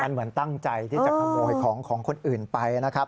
เหมือนตั้งใจที่จะขโมยของของคนอื่นไปนะครับ